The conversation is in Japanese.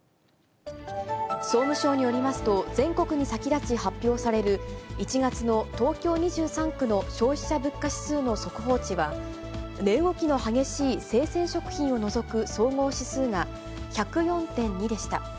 総務省によりますと、全国に先立ち発表される、１月の東京２３区の消費者物価指数の速報値は、値動きの激しい生鮮食品を除く総合指数が、１０４．２でした。